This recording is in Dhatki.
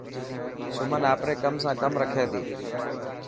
سمن آپري ڪم سان ڪم رکي ٿي.